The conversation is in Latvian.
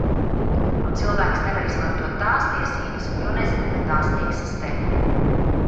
Un cilvēks nevar izmantot tās tiesības, jo nezina, ka tās eksistē.